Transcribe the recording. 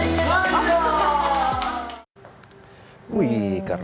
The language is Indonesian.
apa saja dan yang diri kasih kecil